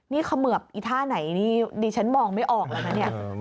นี่เขมือบอีท่าไหนนี่ดิฉันมองไม่ออกแล้วนะเนี่ย